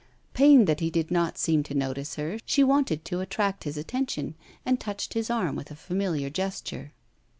Pained that he did not seem to notice her, she wanted to attract his attention, and touched his arm with a familiar gesture.